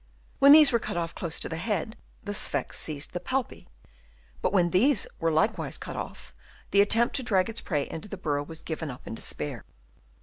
When these were cut off close to the head, the Sphex seized the palpi ; but when these were likewise cut off, the attempt to drag its prey into the burrow was given up in despair.